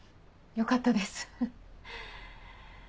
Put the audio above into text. よかったです。